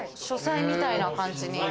書斎みたいな感じに。